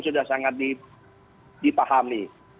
sudah sangat dipahami